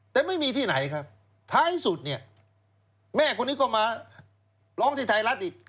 แต่ไม่มีที่ไหนครับท้ายสุดเนี่ยแม่คนนี้ก็มาร้องที่ไทยรัฐอีก